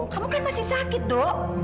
kamu kan masih sakit dok